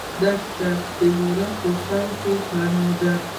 دښته د ورکو خلکو پناه ده.